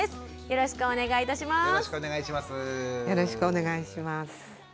よろしくお願いします。